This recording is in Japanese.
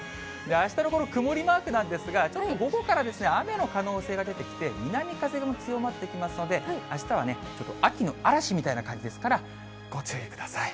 あしたの曇りマークなんですが、ちょっと午後から雨の可能性が出てきて、南風も強まってきますので、あしたはね、秋の嵐みたいな感じですからご注意ください。